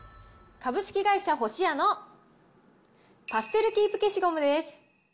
株式会社ホシヤのパステルキープ消しゴムです。